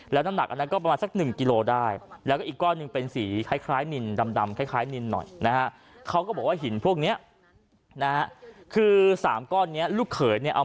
แล้วน้ำหนักอันนั้นก็ประมาณสัก๑กิโลได้